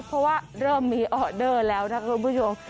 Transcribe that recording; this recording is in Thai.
เพราะว่าเริ่มมีออเดอร์แล้วนะคุณผู้ชม